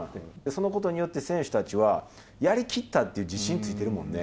そのことによって、選手たちはやりきったっていう自信ついてるもんね。